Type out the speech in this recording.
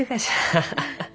ハハハハ。